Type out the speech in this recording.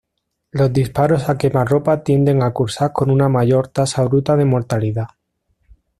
Los disparos a quemarropa tienden a cursar con una mayor tasa bruta de mortalidad.